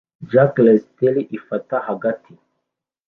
Jack Russel terrier ifata hagati